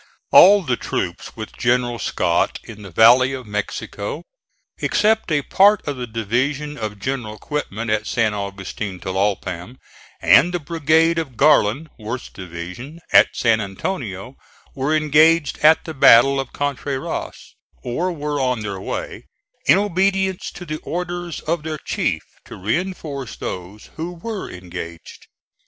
All the troops with General Scott in the valley of Mexico, except a part of the division of General Quitman at San Augustin Tlalpam and the brigade of Garland (Worth's division) at San Antonio, were engaged at the battle of Contreras, or were on their way, in obedience to the orders of their chief, to reinforce those who were engaged.